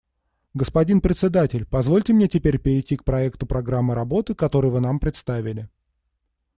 Господин Председатель, позвольте мне теперь перейти к проекту программы работы, который вы нам представили.